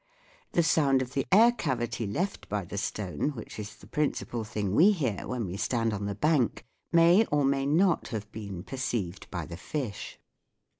The sound of the air cavity left by the stone, which is the principal thing we hear when we stand on the bank, may or may not have been perceived by the fish.